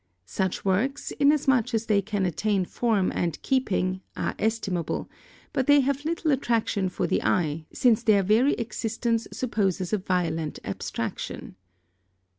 Such works, inasmuch as they can attain form and keeping, are estimable, but they have little attraction for the eye, since their very existence supposes a violent abstraction.